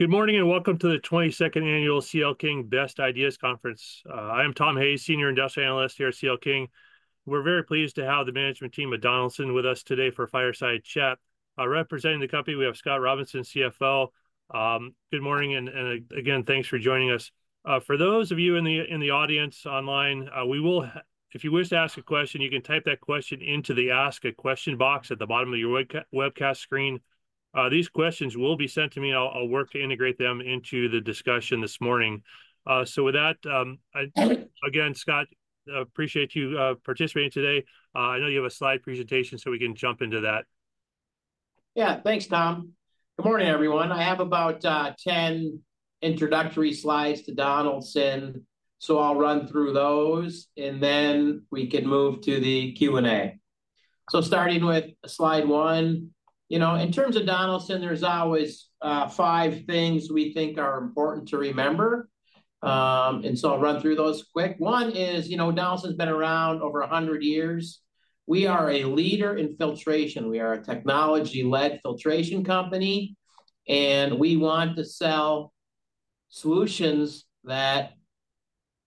Good morning, and welcome to the twenty-second annual CL King Best Ideas Conference. I am Tom Hayes, Senior Industrial Analyst here at CL King. We're very pleased to have the management team at Donaldson with us today for a fireside chat. Representing the company, we have Scott Robinson, CFO. Good morning, and again, thanks for joining us. For those of you in the audience online, we will if you wish to ask a question, you can type that question into the Ask a Question box at the bottom of your webcast screen. These questions will be sent to me, and I'll work to integrate them into the discussion this morning. So with that, again, Scott, appreciate you participating today. I know you have a slide presentation, so we can jump into that. Yeah, thanks, Tom. Good morning, everyone. I have about 10 introductory slides to Donaldson, so I'll run through those, and then we can move to the Q&A. So starting with slide one, you know, in terms of Donaldson, there's always five things we think are important to remember. And so I'll run through those quick. One is, you know, Donaldson's been around over 100 years. We are a leader in filtration. We are a technology-led filtration company, and we want to sell solutions that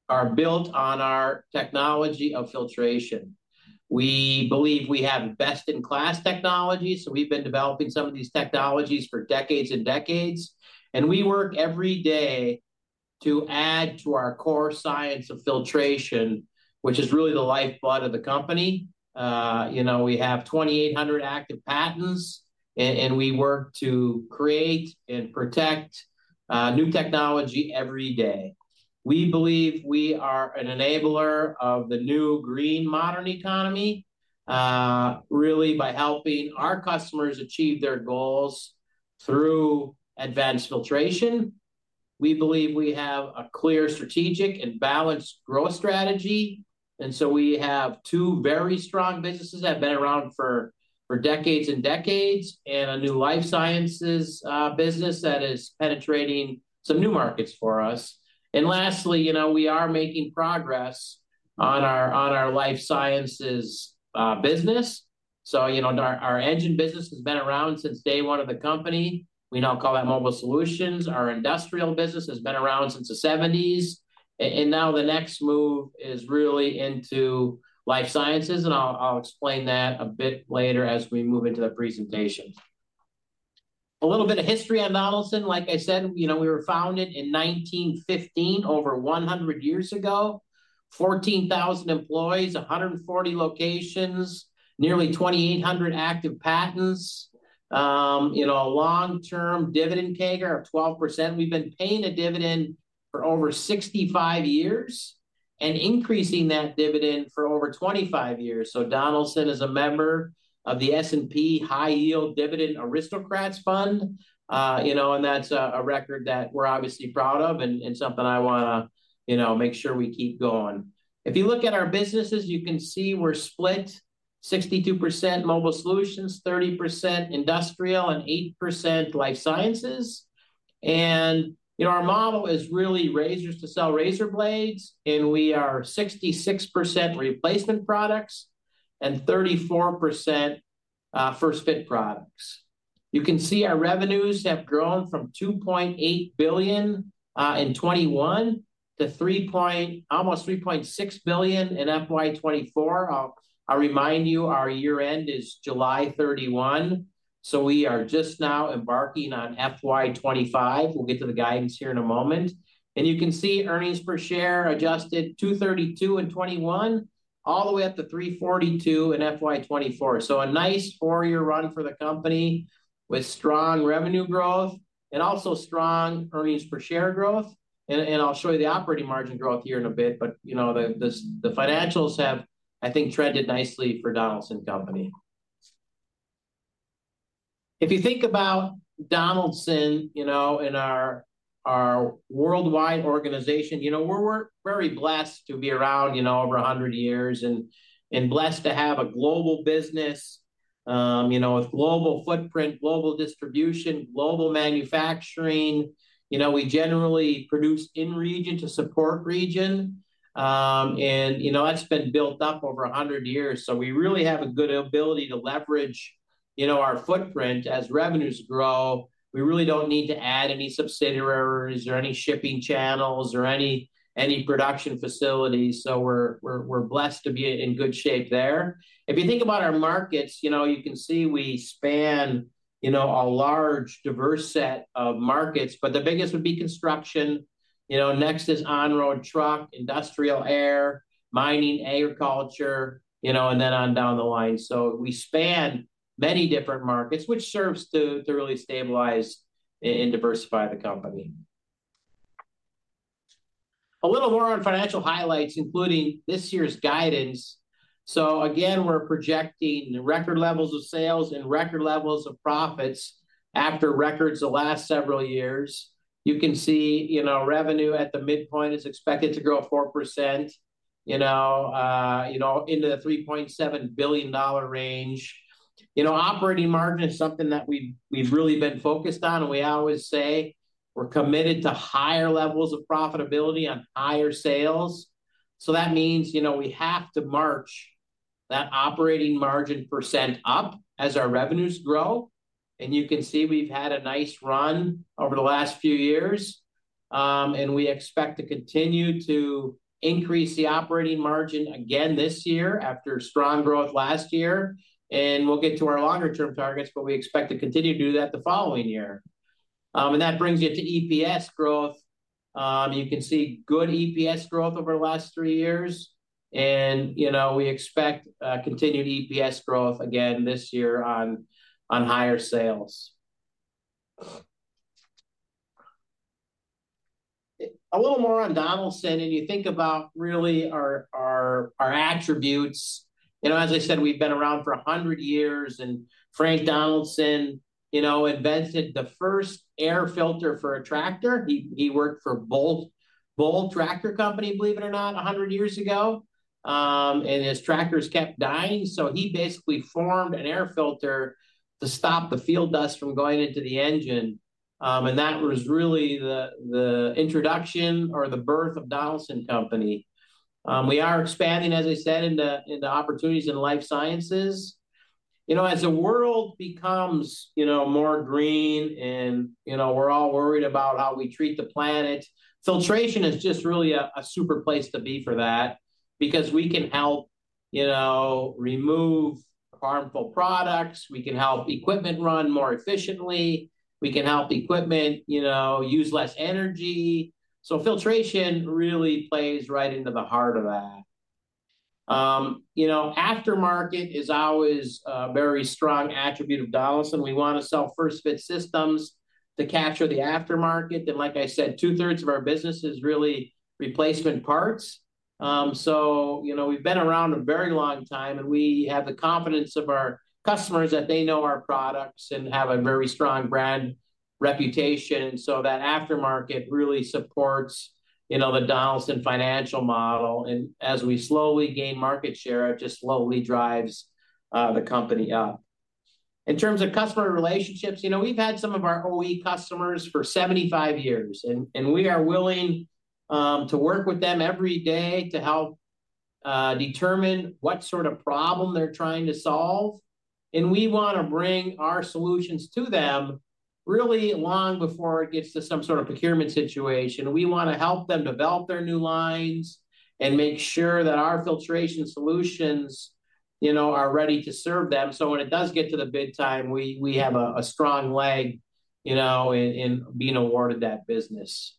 are built on our technology of filtration. We believe we have best-in-class technology, so we've been developing some of these technologies for decades and decades, and we work every day to add to our core science of filtration, which is really the lifeblood of the company. You know, we have 2,800 active patents, and we work to create and protect new technology every day. We believe we are an enabler of the new green modern economy, really by helping our customers achieve their goals through advanced filtration. We believe we have a clear strategic and balanced growth strategy, and so we have two very strong businesses that have been around for decades and decades, and a new Life Sciences business that is penetrating some new markets for us. Lastly, you know, we are making progress on our Life Sciences business. You know, our engine business has been around since day one of the company. We now call that Mobile Solutions. Our industrial business has been around since the '70s, and now the next move is really into Life Sciences, and I'll explain that a bit later as we move into the presentation. A little bit of history on Donaldson. Like I said, you know, we were founded in 1915, over 100 years ago. 14,000 employees, 140 locations, nearly 2,800 active patents. Y ou know, a long-term dividend CAGR of 12%. We've been paying a dividend for over 65 years, and increasing that dividend for over 25 years. So Donaldson is a member of the S&P High Yield Dividend Aristocrats fund. You know, and that's a record that we're obviously proud of and something I wanna, you know, make sure we keep going. If you look at our businesses, you can see we're split 62% Mobile Solutions, 30% Industrial, and 8% Life Sciences. You know, our model is really razors to sell razor blades, and we are 66% replacement products and 34% first-fit products. You can see our revenues have grown from $2.8 billion in 2021 to almost $3.6 billion in FY 2024. I'll remind you, our year-end is July 31, so we are just now embarking on FY 2025. We'll get to the guidance here in a moment. You can see earnings per share adjusted $2.32 in 2021, all the way up to $3.42 in FY 2024. So a nice four-year run for the company, with strong revenue growth and also strong earnings per share growth. And I'll show you the operating margin growth here in a bit, but you know, the financials have, I think, trended nicely for Donaldson Company. If you think about Donaldson, you know, and our worldwide organization, you know, we're very blessed to be around, you know, over 100 years, and blessed to have a global business, you know, with global footprint, global distribution, global manufacturing. You know, we generally produce in region to support region. And, you know, that's been built up over 100 years, so we really have a good ability to leverage, you know, our footprint. As revenues grow, we really don't need to add any subsidiaries or any shipping channels or any production facilities, so we're blessed to be in good shape there. If you think about our markets, you know, you can see we span, you know, a large, diverse set of markets, but the biggest would be construction. You know, next is on-road truck, industrial air, mining, agriculture, you know, and then on down the line. So we span many different markets, which serves to really stabilize and diversify the company. A little more on financial highlights, including this year's guidance. So again, we're projecting record levels of sales and record levels of profits after records the last several years. You can see, you know, revenue at the midpoint is expected to grow 4%, you know, into the $3.7 billion range. You know, operating margin is something that we've really been focused on, and we always say we're committed to higher levels of profitability on higher sales. So that means, you know, we have to march that operating margin percent up as our revenues grow. And you can see we've had a nice run over the last few years, and we expect to continue to increase the operating margin again this year after strong growth last year, and we'll get to our longer term targets, but we expect to continue to do that the following year. And that brings you to EPS growth. You can see good EPS growth over the last three years, and, you know, we expect continued EPS growth again this year on higher sales. A little more on Donaldson, and you think about really our attributes. You know, as I said, we've been around for 100 years, and Frank Donaldson, you know, invented the first air filter for a tractor. He worked for Bull Tractor Company, believe it or not, 100 years ago. And his tractors kept dying, so he basically formed an air filter to stop the field dust from going into the engine. And that was really the introduction or the birth of Donaldson Company. We are expanding, as I said, into opportunities in life sciences. You know, as the world becomes, you know, more green and, you know, we're all worried about how we treat the planet, filtration is just really a super place to be for that. Because we can help, you know, remove harmful products, we can help equipment run more efficiently, we can help equipment, you know, use less energy. So filtration really plays right into the heart of that. You know, aftermarket is always a very strong attribute of Donaldson. We wanna sell first-fit systems to capture the aftermarket, and like I said, two-thirds of our business is really replacement parts. So, you know, we've been around a very long time, and we have the confidence of our customers that they know our products and have a very strong brand reputation. So that aftermarket really supports, you know, the Donaldson financial model, and as we slowly gain market share, it just slowly drives the company up. In terms of customer relationships, you know, we've had some of our OE customers for 75 years, and we are willing to work with them every day to help determine what sort of problem they're trying to solve. We wanna bring our solutions to them really long before it gets to some sort of procurement situation. We wanna help them develop their new lines and make sure that our filtration solutions, you know, are ready to serve them, so when it does get to the big time, we have a strong leg, you know, in being awarded that business.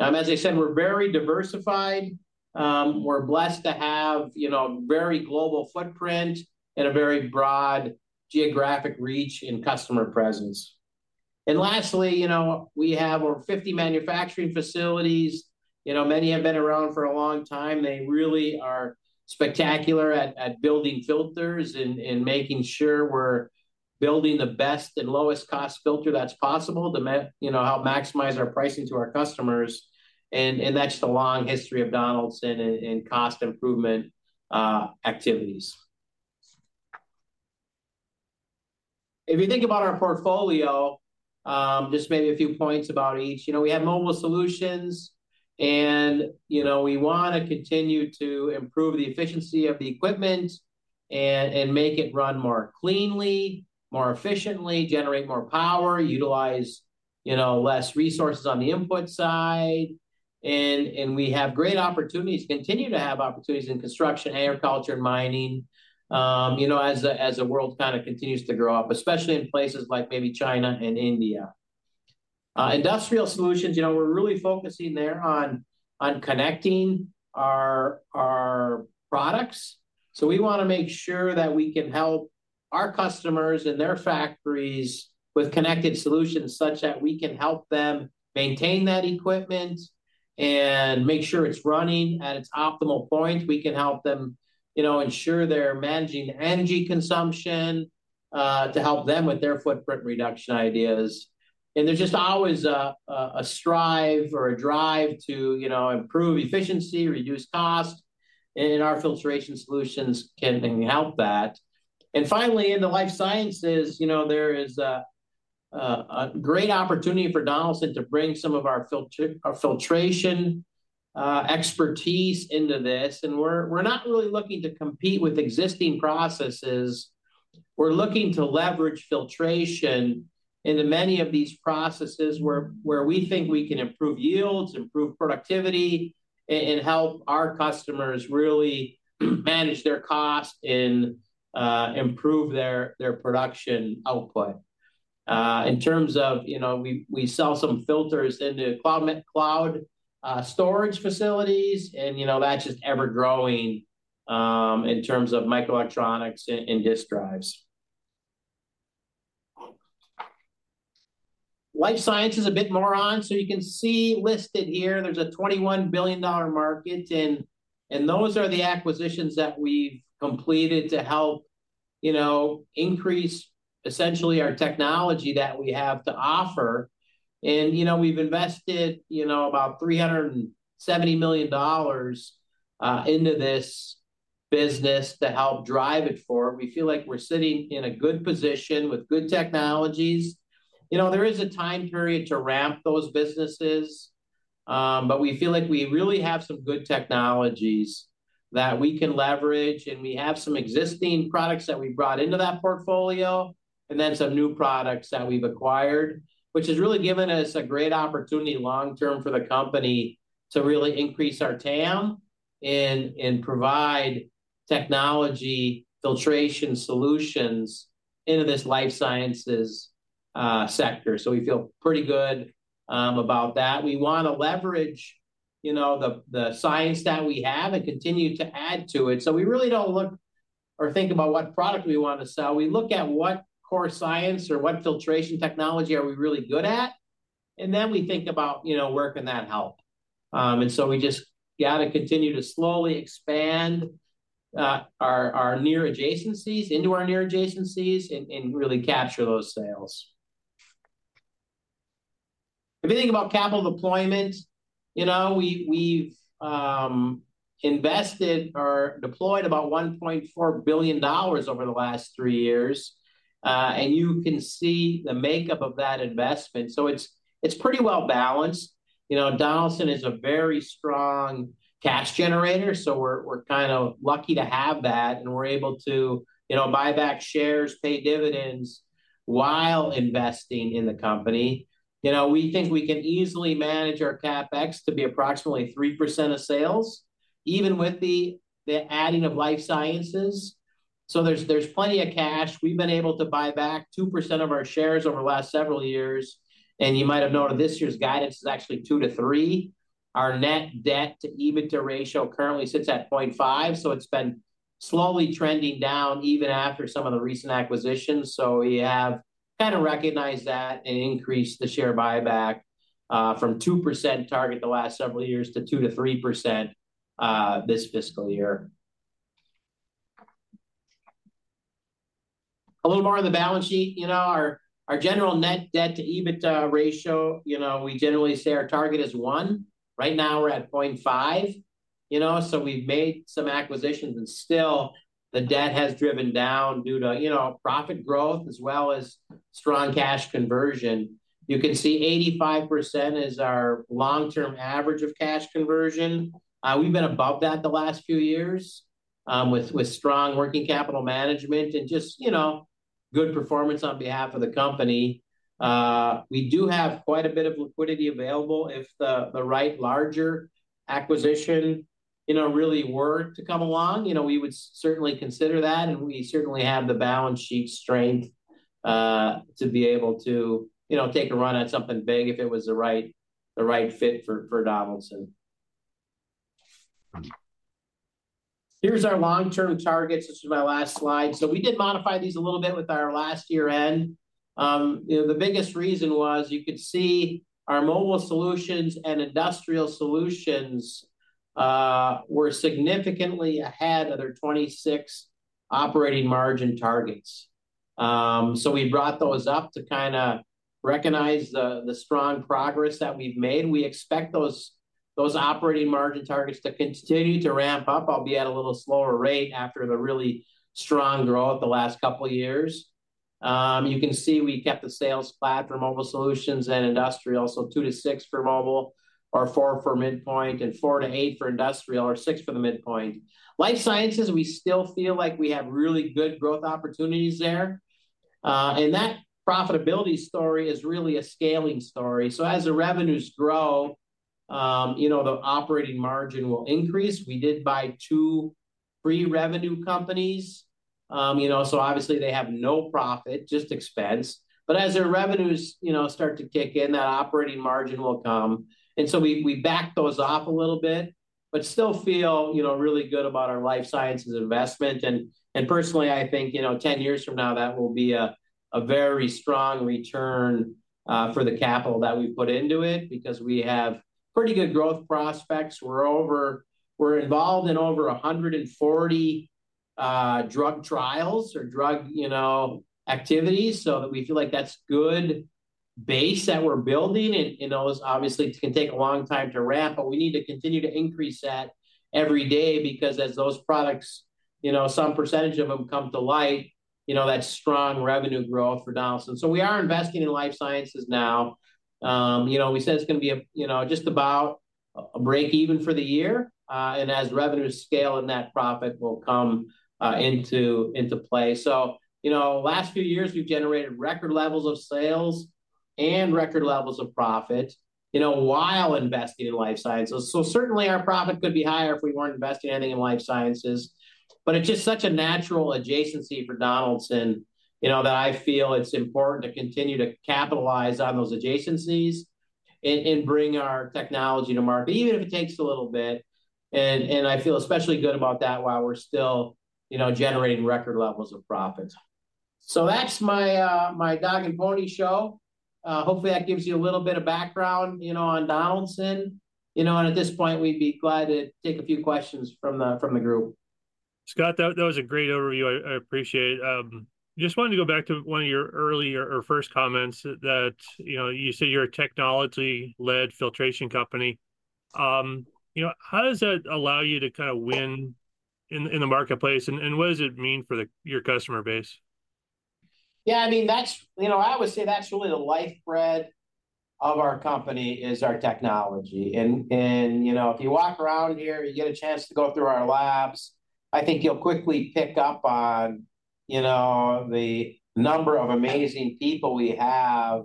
As I said, we're very diversified. We're blessed to have, you know, a very global footprint and a very broad geographic reach and customer presence, and lastly, you know, we have over 50 manufacturing facilities. You know, many have been around for a long time. They really are spectacular at building filters and making sure we're building the best and lowest cost filter that's possible, you know, to help maximize our pricing to our customers, and that's the long history of Donaldson in cost improvement activities. If you think about our portfolio, just maybe a few points about each. You know, we have Mobile Solutions, and, you know, we wanna continue to improve the efficiency of the equipment and make it run more cleanly, more efficiently, generate more power, utilize, you know, less resources on the input side. And we have great opportunities, continue to have opportunities in construction, agriculture, and mining, you know, as the world kind of continues to grow up, especially in places like maybe China and India. Industrial Solutions, you know, we're really focusing there on connecting our products. So we wanna make sure that we can help our customers and their factories with Connected Solutions, such that we can help them maintain that equipment and make sure it's running at its optimal point. We can help them, you know, ensure they're managing energy consumption to help them with their footprint reduction ideas. And there's just always a strive or a drive to, you know, improve efficiency, reduce cost, and our filtration solutions can help that. And finally, in the life sciences, you know, there is a great opportunity for Donaldson to bring some of our filtration expertise into this, and we're not really looking to compete with existing processes. We're looking to leverage filtration into many of these processes, where we think we can improve yields, improve productivity, and help our customers really manage their cost and improve their production output. In terms of, you know, we sell some filters into cloud storage facilities, and, you know, that's just ever-growing in terms of microelectronics and disk drives. Life Sciences is a bit more on, so you can see listed here, there's a $21 billion market, and those are the acquisitions that we've completed to help, you know, increase essentially our technology that we have to offer, and you know, we've invested, you know, about $370 million into this business to help drive it forward. We feel like we're sitting in a good position with good technologies. You know, there is a time period to ramp those businesses... But we feel like we really have some good technologies that we can leverage, and we have some existing products that we brought into that portfolio, and then some new products that we've acquired, which has really given us a great opportunity long-term for the company to really increase our TAM and provide technology filtration solutions into this Life Sciences sector, so we feel pretty good about that. We wanna leverage, you know, the science that we have and continue to add to it, so we really don't look or think about what product we want to sell. We look at what core science or what filtration technology are we really good at, and then we think about, you know, where can that help? And so we just gotta continue to slowly expand our near adjacencies into our near adjacencies and really capture those sales. If you think about capital deployment, you know, we've invested or deployed about $1.4 billion over the last three years, and you can see the makeup of that investment, so it's pretty well-balanced. Y ou know, Donaldson is a very strong cash generator, so we're kind of lucky to have that, and we're able to, you know, buy back shares, pay dividends, while investing in the company. You know, we think we can easily manage our CapEx to be approximately 3% of sales, even with the adding of life sciences. So there's plenty of cash. We've been able to buy back 2% of our shares over the last several years, and you might have noted this year's guidance is actually 2%-3%. Our net debt-to-EBITDA ratio currently sits at 0.5, so it's been slowly trending down, even after some of the recent acquisitions. So we have had to recognize that and increase the share buyback from 2% target the last several years to 2%-3% this fiscal year. A little more on the balance sheet. You know, our general net debt-to-EBITDA ratio, you know, we generally say our target is 1. Right now, we're at 0.5, you know, so we've made some acquisitions, and still the debt has driven down due to, you know, profit growth as well as strong cash conversion. You can see 85% is our long-term average of cash conversion. We've been above that the last few years, with strong working capital management and just, you know, good performance on behalf of the company. We do have quite a bit of liquidity available if the right larger acquisition, you know, really were to come along, you know, we would certainly consider that, and we certainly have the balance sheet strength, to be able to, you know, take a run at something big if it was the right fit for Donaldson. Here's our long-term targets. This is my last slide. So we did modify these a little bit with our last year-end. You know, the biggest reason was, you could see our mobile solutions and industrial solutions were significantly ahead of their '26 operating margin targets. So we brought those up to kinda recognize the strong progress that we've made. We expect those operating margin targets to continue to ramp up, albeit at a little slower rate after the really strong growth the last couple of years. You can see we kept the sales flat for Mobile Solutions and Industrial, so two to six for Mobile, or four for midpoint, and four to eight for Industrial, or six for the midpoint. Life Sciences, we still feel like we have really good growth opportunities there. And that profitability story is really a scaling story. So as the revenues grow, you know, the operating margin will increase. We did buy two pre-revenue companies. You know, so obviously they have no profit, just expense, but as their revenues, you know, start to kick in, that operating margin will come. And so we backed those off a little bit, but still feel, you know, really good about our life sciences investment. And personally, I think, you know, 10 years from now, that will be a very strong return for the capital that we've put into it, because we have pretty good growth prospects. We're involved in over 140 drug trials or drug, you know, activities, so we feel like that's good base that we're building. And those obviously can take a long time to ramp, but we need to continue to increase that every day, because as those products, you know, some percentage of them come to light, you know, that's strong revenue growth for Donaldson. So we are investing in life sciences now. You know, we said it's gonna be a, you know, just about a break even for the year, and as revenues scale and that profit will come into play. So, you know, last few years, we've generated record levels of sales and record levels of profit, you know, while investing in life sciences. So certainly, our profit could be higher if we weren't investing anything in life sciences, but it's just such a natural adjacency for Donaldson, you know, that I feel it's important to continue to capitalize on those adjacencies and bring our technology to market, even if it takes a little bit. And I feel especially good about that while we're still, you know, generating record levels of profits. So that's my dog and pony show. Hopefully that gives you a little bit of background, you know, on Donaldson. You know, and at this point, we'd be glad to take a few questions from the group. Scott, that was a great overview. I appreciate it. Just wanted to go back to one of your earlier or first comments that, you know, you say you're a technology-led filtration company. You know, how does that allow you to kinda win in the marketplace, and what does it mean for your customer base?... Yeah, I mean, that's, you know, I would say that's really the lifeblood of our company, is our technology. And you know, if you walk around here, you get a chance to go through our labs, I think you'll quickly pick up on, you know, the number of amazing people we have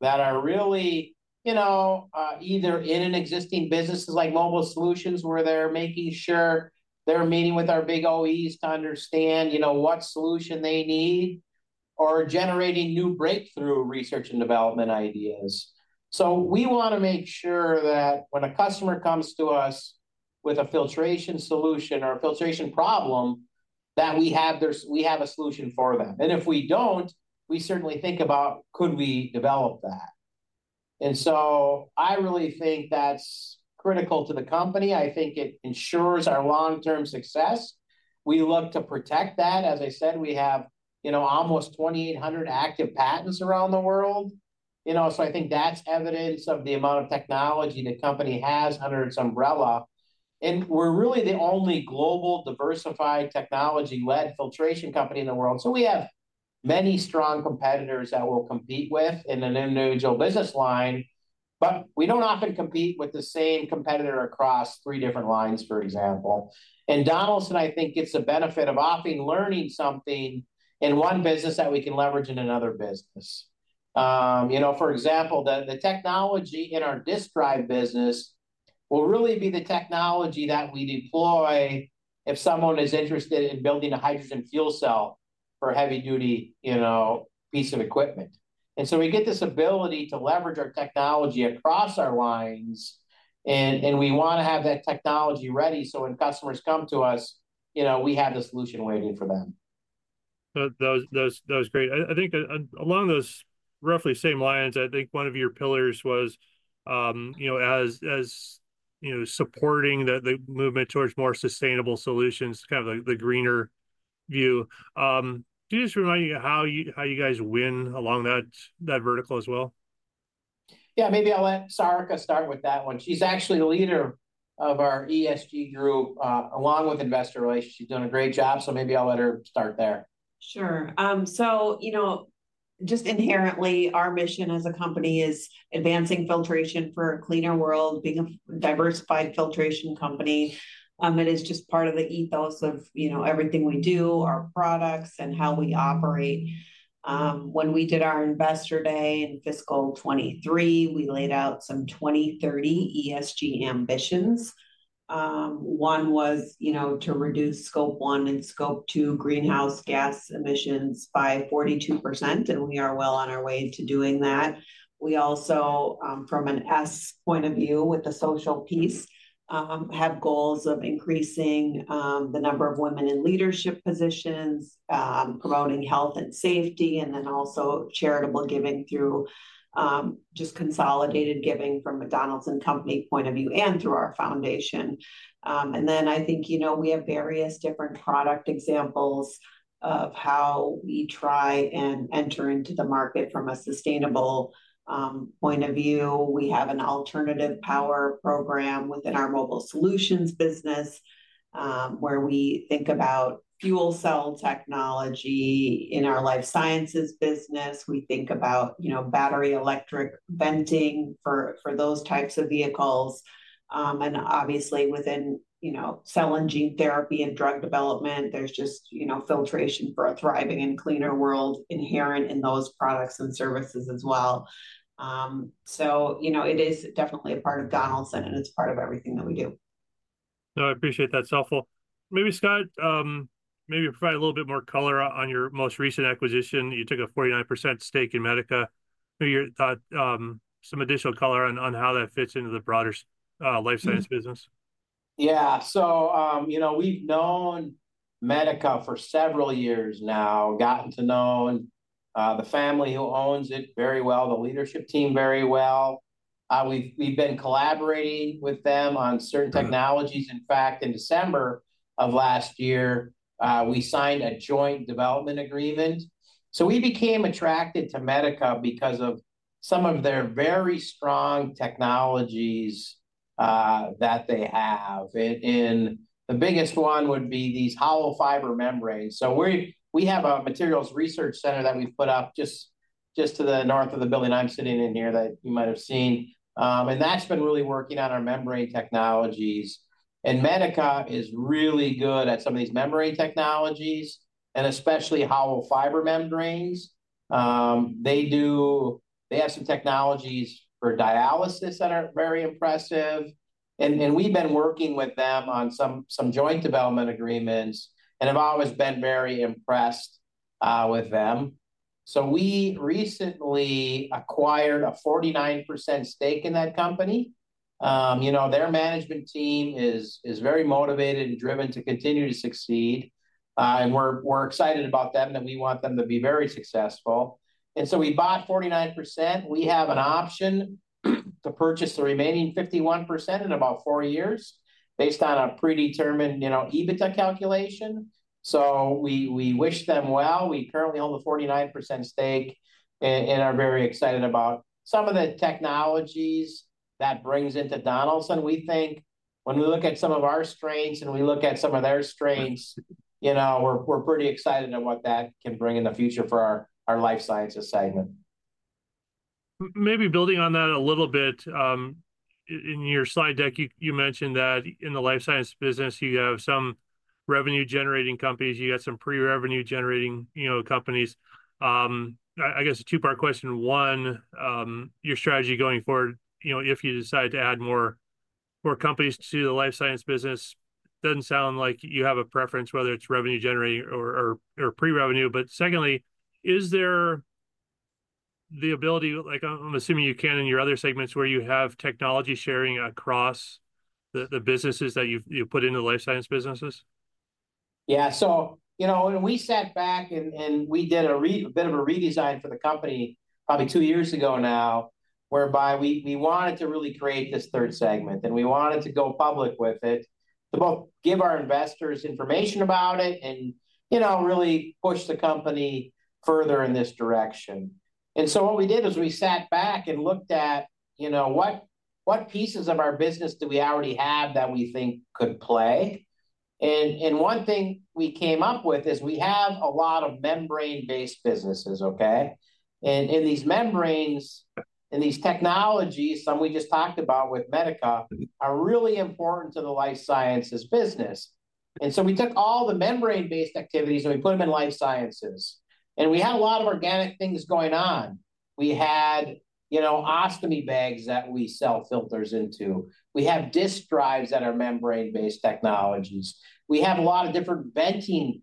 that are really, you know, either in an existing businesses like Mobile Solutions, where they're making sure they're meeting with our big OEs to understand, you know, what solution they need, or generating new breakthrough research and development ideas. So we wanna make sure that when a customer comes to us with a filtration solution or a filtration problem, that we have we have a solution for them. And if we don't, we certainly think about, could we develop that? And so I really think that's critical to the company. I think it ensures our long-term success. We look to protect that. As I said, we have, you know, almost 2,800 active patents around the world, you know, so I think that's evidence of the amount of technology the company has under its umbrella, and we're really the only global diversified technology-led filtration company in the world, so we have many strong competitors that we'll compete with in an individual business line. But we don't often compete with the same competitor across three different lines, for example, and Donaldson, I think, gets the benefit of often learning something in one business that we can leverage in another business. You know, for example, the technology in our disk drive business will really be the technology that we deploy if someone is interested in building a hydrogen fuel cell for a heavy-duty, you know, piece of equipment. And so we get this ability to leverage our technology across our lines, and, and we wanna have that technology ready, so when customers come to us, you know, we have the solution waiting for them. That was great. I think along those roughly same lines, I think one of your pillars was, you know, as you know, supporting the movement towards more sustainable solutions, kind of the greener view. Could you just remind me how you guys win along that vertical as well? Yeah, maybe I'll let Sarika start with that one. She's actually the leader of our ESG group, along with investor relations. She's doing a great job, so maybe I'll let her start there. Sure. So, you know, just inherently, our mission as a company is advancing filtration for a cleaner world, being a diversified filtration company. It is just part of the ethos of, you know, everything we do, our products, and how we operate. When we did our Investor Day in fiscal 2023, we laid out some 2030 ESG ambitions. One was, you know, to reduce Scope 1 and Scope 2 greenhouse gas emissions by 42%, and we are well on our way to doing that. We also, from an S point of view, with the social piece, have goals of increasing the number of women in leadership positions, promoting health and safety, and then also charitable giving through just consolidated giving from a Donaldson Company point of view, and through our foundation. And then, I think, you know, we have various different product examples of how we try and enter into the market from a sustainable, point of view. We have an alternative power program within our mobile solutions business, where we think about fuel cell technology. In our life sciences business, we think about, you know, battery electric venting for those types of vehicles. And obviously within, you know, cell and gene therapy and drug development, there's just, you know, filtration for a thriving and cleaner world inherent in those products and services as well. So, you know, it is definitely a part of Donaldson, and it's part of everything that we do. No, I appreciate that. It's helpful. Maybe, Scott, maybe provide a little bit more color on your most recent acquisition. You took a 49% stake in Medica. Maybe you could add some additional color on how that fits into the broader life science business. Yeah, so, you know, we've known Medica for several years now, gotten to know, the family who owns it very well, the leadership team very well. We've been collaborating with them on certain- Mm... technologies. In fact, in December of last year, we signed a joint development agreement. So we became attracted to Medica because of some of their very strong technologies, that they have. And the biggest one would be these hollow fiber membranes. So we have a materials research center that we've put up just to the north of the building I'm sitting in here, that you might have seen, and that's been really working on our membrane technologies. And Medica is really good at some of these membrane technologies, and especially hollow fiber membranes. They have some technologies for dialysis that are very impressive, and we've been working with them on some joint development agreements, and have always been very impressed, with them. So we recently acquired a 49% stake in that company. You know, their management team is very motivated and driven to continue to succeed. And we're excited about them, and we want them to be very successful. So we bought 49%. We have an option to purchase the remaining 51% in about four years, based on a predetermined, you know, EBITDA calculation. So we wish them well. We currently own the 49% stake, and are very excited about some of the technologies that brings into Donaldson. When we look at some of our strengths, and we look at some of their strengths, you know, we're pretty excited at what that can bring in the future for our Life Sciences segment. Maybe building on that a little bit, in your slide deck, you mentioned that in the life sciences business, you have some revenue-generating companies, you got some pre-revenue generating, you know, companies. I guess a two-part question. One, your strategy going forward, you know, if you decide to add more companies to the life science business, doesn't sound like you have a preference whether it's revenue generating or pre-revenue. But secondly, is there the ability, like, I'm assuming you can in your other segments, where you have technology sharing across the businesses that you've put into the life science businesses? Yeah, so, you know, when we sat back and we did a bit of a redesign for the company, probably two years ago now, whereby we wanted to really create this third segment, and we wanted to go public with it, to both give our investors information about it, and, you know, really push the company further in this direction. So what we did is we sat back and looked at, you know, what pieces of our business do we already have that we think could play? And one thing we came up with is we have a lot of membrane-based businesses, okay? And these membranes, and these technologies, some we just talked about with Medica, are really important to the life sciences business. So we took all the membrane-based activities, and we put them in life sciences. And we had a lot of organic things going on. We had, you know, ostomy bags that we sell filters into. We have disk drives that are membrane-based technologies. We have a lot of different venting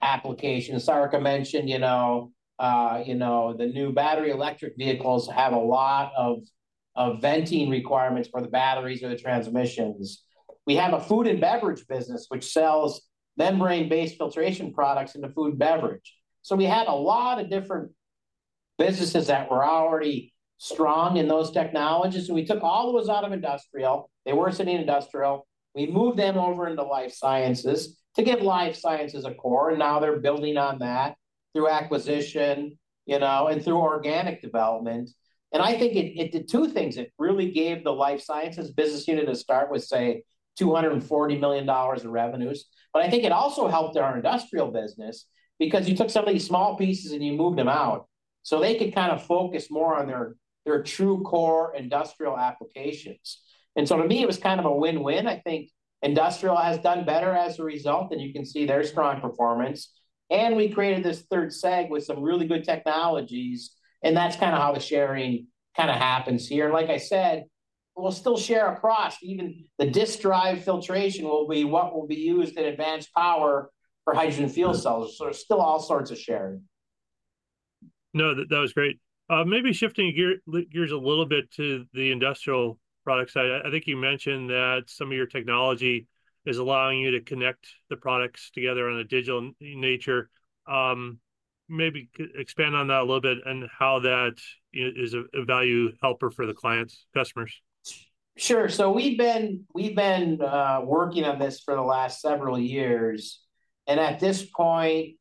applications. Sarika mentioned, you know, the new battery electric vehicles have a lot of venting requirements for the batteries or the transmissions. We have a food and beverage business, which sells membrane-based filtration products into food and beverage. So we had a lot of different businesses that were already strong in those technologies, and we took all those out of industrial, they were sitting in industrial, we moved them over into life sciences to give life sciences a core, and now they're building on that through acquisition, you know, and through organic development. And I think it did two things. It really gave the Life Sciences business unit a start with, say, $240 million of revenues, but I think it also helped our industrial business, because you took some of these small pieces, and you moved them out, so they could kind of focus more on their, their true core industrial applications, and so to me, it was kind of a win-win. I think industrial has done better as a result, and you can see their strong performance, and we created this third seg with some really good technologies, and that's kind of how the sharing kind of happens here. Like I said, we'll still share across. Even the disk drive filtration will be what will be used in advanced power for hydrogen fuel cells, so there's still all sorts of sharing. No, that, that was great. Maybe shifting gears a little bit to the industrial products side. I think you mentioned that some of your technology is allowing you to connect the products together in a digital nature. Maybe expand on that a little bit, and how that is a value helper for the clients, customers. Sure. So we've been working on this for the last several years, and at this point,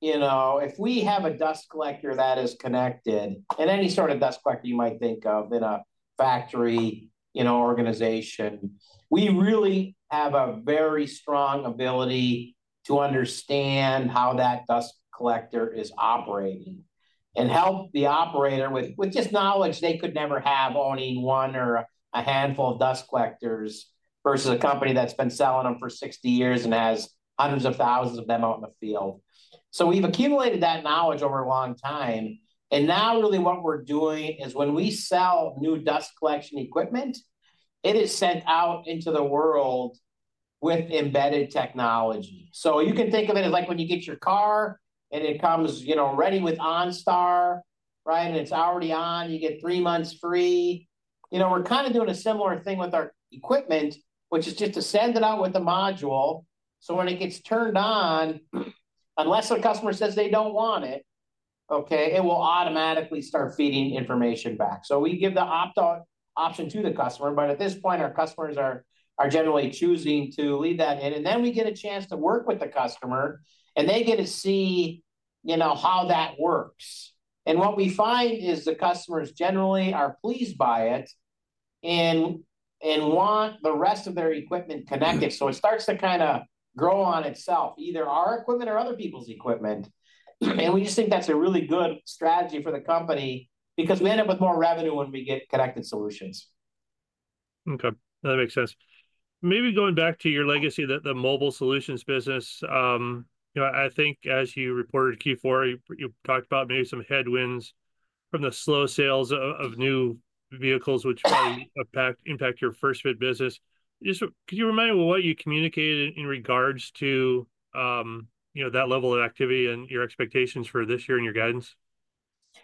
you know, if we have a dust collector that is connected, and any sort of dust collector you might think of in a factory, in an organization, we really have a very strong ability to understand how that dust collector is operating, and help the operator with just knowledge they could never have owning one or a handful of dust collectors, versus a company that's been selling them for 60 years and has hundreds of thousands of them out in the field. So we've accumulated that knowledge over a long time, and now really what we're doing is when we sell new dust collection equipment, it is sent out into the world with embedded technology. So you can think of it as like when you get your car, and it comes, you know, ready with OnStar, right? And it's already on, you get three months free. You know, we're kind of doing a similar thing with our equipment, which is just to send it out with a module, so when it gets turned on, unless a customer says they don't want it, okay, it will automatically start feeding information back. So we give the opt-out option to the customer, but at this point, our customers are generally choosing to leave that in, and then we get a chance to work with the customer, and they get to see, you know, how that works. And what we find is the customers generally are pleased by it, and want the rest of their equipment connected. So it starts to kind of grow on itself, either our equipment or other people's equipment, and we just think that's a really good strategy for the company, because we end up with more revenue when we get Connected Solutions. Okay, that makes sense. Maybe going back to your legacy, the Mobile Solutions business. You know, I think as you reported Q4, you talked about maybe some headwinds from the slow sales of new vehicles, which probably impact your First-fit business. Just, could you remind me what you communicated in regards to, you know, that level of activity and your expectations for this year and your guidance?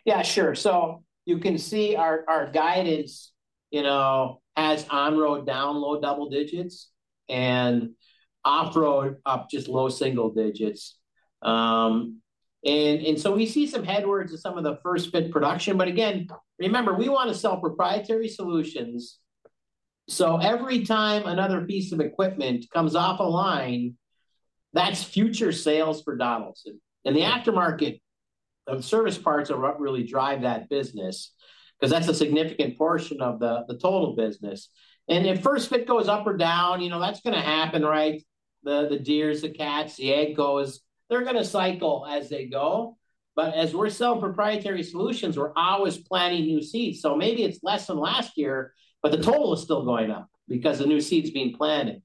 Yeah, sure. So you can see our guidance, you know, as on-road down low double digits, and off-road up just low single digits. And so we see some headwinds in some of the first-fit production, but again, remember, we want to sell proprietary solutions. So every time another piece of equipment comes off a line. That's future sales for Donaldson. And the aftermarket of service parts are what really drive that business, 'cause that's a significant portion of the total business. And in first-fit, if it goes up or down, you know, that's gonna happen, right? The Deeres, the Cats, the AGCOs, they're gonna cycle as they go. But as we're selling proprietary solutions, we're always planting new seeds. So maybe it's less than last year, but the total is still going up because of new seeds being planted.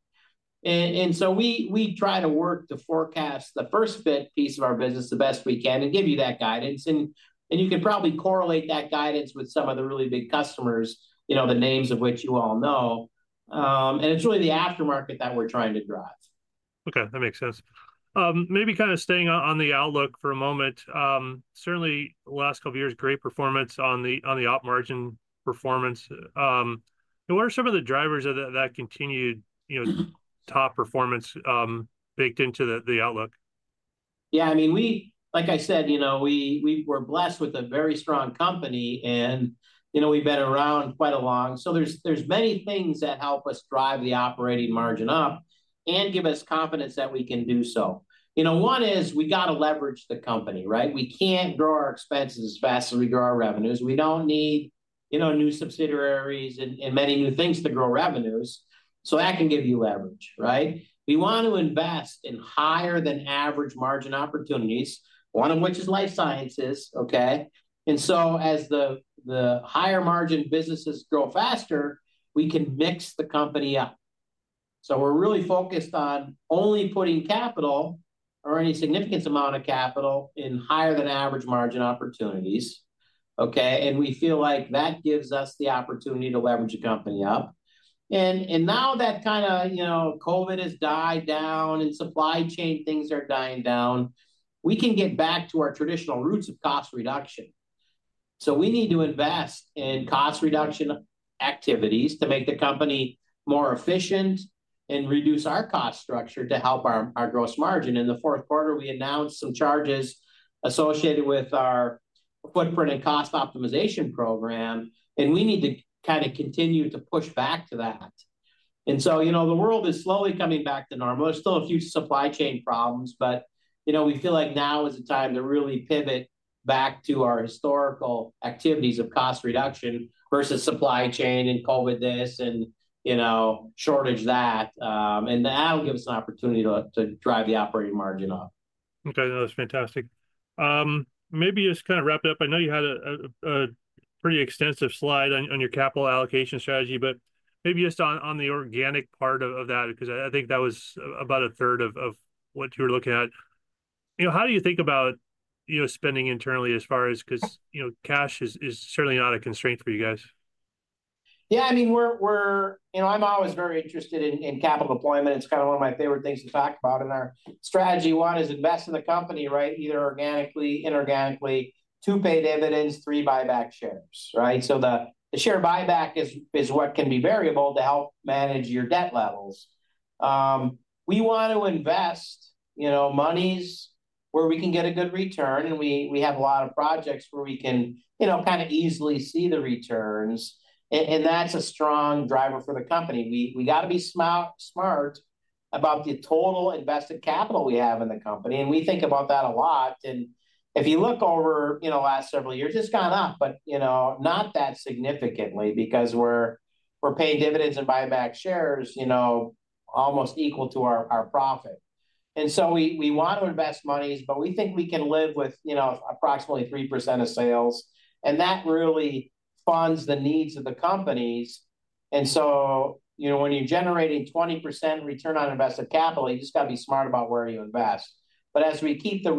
We try to work to forecast the first fit piece of our business the best we can and give you that guidance. You can probably correlate that guidance with some of the really big customers, you know, the names of which you all know. It's really the aftermarket that we're trying to drive. Okay, that makes sense. Maybe kind of staying on the outlook for a moment, certainly the last couple years, great performance on the op margin performance, and what are some of the drivers of that that continued, you know, top performance baked into the outlook? Yeah, I mean, like I said, you know, we were blessed with a very strong company, and, you know, we've been around quite a long. So there's many things that help us drive the operating margin up and give us confidence that we can do so. You know, one is, we gotta leverage the company, right? We can't grow our expenses as fast as we grow our revenues. We don't need, you know, new subsidiaries and many new things to grow revenues, so that can give you leverage, right? We want to invest in higher-than-average margin opportunities, one of which is life sciences, okay? And so as the higher-margin businesses grow faster, we can mix the company up. So we're really focused on only putting capital or any significant amount of capital in higher-than-average margin opportunities, okay? And we feel like that gives us the opportunity to leverage the company up. And now that kinda, you know, COVID has died down and supply chain things are dying down, we can get back to our traditional roots of cost reduction. So we need to invest in cost reduction activities to make the company more efficient and reduce our cost structure to help our gross margin. In the fourth quarter, we announced some charges associated with our footprint and cost optimization program, and we need to kinda continue to push back to that. And so, you know, the world is slowly coming back to normal. There's still a few supply chain problems but, you know, we feel like now is the time to really pivot back to our historical activities of cost reduction versus supply chain, and COVID this, and, you know, shortage that. And that'll give us an opportunity to drive the operating margin up. Okay, no, that's fantastic. Maybe just to kind of wrap it up, I know you had a pretty extensive slide on your capital allocation strategy, but maybe just on the organic part of that, 'cause I think that was about a third of what you were looking at. You know, how do you think about, you know, spending internally as far as... 'Cause, you know, cash is certainly not a constraint for you guys. Yeah, I mean, we're... You know, I'm always very interested in capital deployment. It's kind of one of my favorite things to talk about, and our strategy, one, is invest in the company, right? Either organically, inorganically. Two, pay dividends. Three, buy back shares, right? So the share buyback is what can be variable to help manage your debt levels. We want to invest, you know, monies where we can get a good return, and we have a lot of projects where we can, you know, kind of easily see the returns, and that's a strong driver for the company. We gotta be smart about the total invested capital we have in the company, and we think about that a lot. If you look over, you know, the last several years, it's gone up but, you know, not that significantly because we're paying dividends and buy back shares, you know, almost equal to our profit. And so we want to invest monies, but we think we can live with, you know, approximately 3% of sales, and that really funds the needs of the companies. And so, you know, when you're generating 20% return on invested capital, you just gotta be smart about where you invest. But as we keep the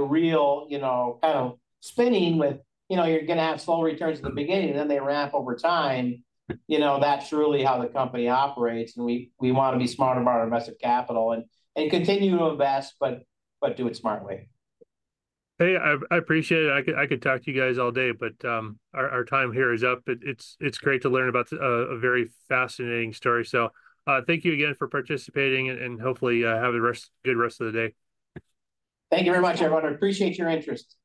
wheel, you know, kind of spinning with... You know, you're gonna have slow returns in the beginning, and then they ramp over time. You know, that's really how the company operates, and we wanna be smart about our invested capital, and continue to invest, but do it smartly. Hey, I appreciate it. I could talk to you guys all day, but our time here is up. But it's great to learn about a very fascinating story. So thank you again for participating, and hopefully have a good rest of the day. Thank you very much, everyone. I appreciate your interest. Thank you.